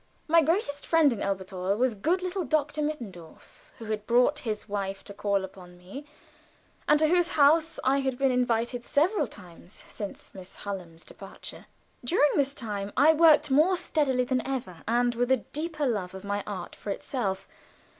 My greatest friend in Elberthal was good little Dr. Mittendorf, who had brought his wife to call upon me, and to whose house I had been invited several times since Miss Hallam's departure. During this time I worked more steadily than ever, and with a deeper love of my art for itself.